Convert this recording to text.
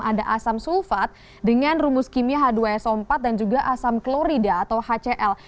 ada asam sulfat dengan rumus kimia h dua so empat dan juga asam klorida atau hcl